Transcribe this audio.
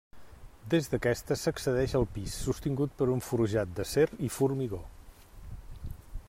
Des d'aquesta s'accedeix al pis, sostingut per un forjat d'acer i formigó.